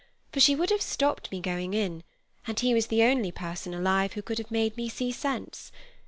For she would have stopped me going in, and he was the only person alive who could have made me see sense.